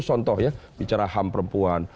contoh ya bicara ham perempuan